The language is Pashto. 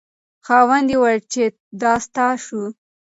خاوند یې وویل چې دا ستا شو.